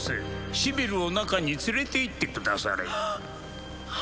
シビルを中に連れていってくだされあ